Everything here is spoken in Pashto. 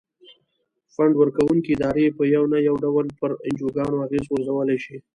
فنډ ورکوونکې ادارې په یو نه یو ډول پر انجوګانو اغیز غورځولای شي.